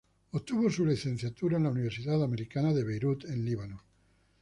Obtuvo su licenciatura en la Universidad Americana de Beirut en Líbano.